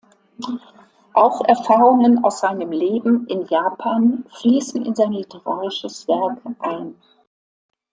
Auch Erfahrungen aus seinem Leben in Japan fließen in sein literarisches Werk ein.